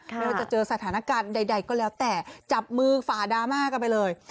ไม่ว่าจะเจอสถานการณ์ใดก็แล้วแต่จับมือฝ่าดราม่ากันไปเลย